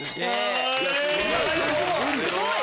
すごい！